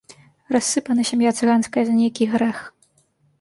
Рассыпана сям'я цыганская за нейкі грэх.